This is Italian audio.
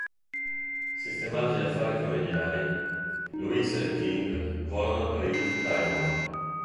Sistemati gli affari familiari, Louis e Le Ting volano per il Taiwan.